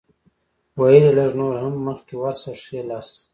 ویل یې لږ نور هم مخکې ورشه ښی لاسته.